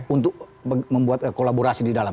untuk membuat kolaborasi di dalam